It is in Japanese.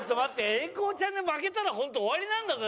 英孝ちゃんで負けたら本当終わりなんだぜ？